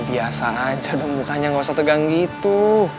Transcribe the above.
lu biasa aja dong mukanya gak usah tegang gitu